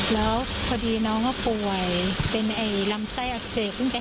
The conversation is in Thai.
แล้วพอดีน้องก็ป่วญเป็นไอ้ลำไส้อักเสบ